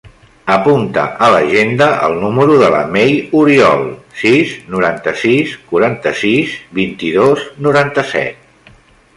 Apunta a l'agenda el número de la Mei Oriol: sis, noranta-sis, quaranta-sis, vint-i-dos, noranta-set.